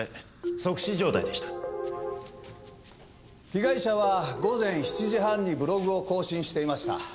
被害者は午前７時半にブログを更新していました。